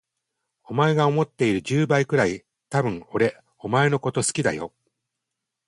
お前が思っている十倍くらい、多分俺お前のこと好きだよ。